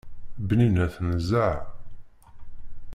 Bninet nezzeh!